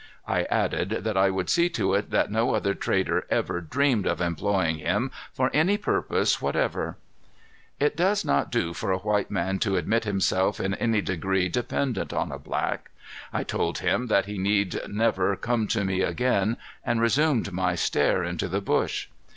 I added that I would see to it that no other trader ever dreamed of employing him for any purpose whatever. It does not do for a white man to admit himself in any degree dependent on a black. I told him that he need never come to me again and resumed my stare into the bush.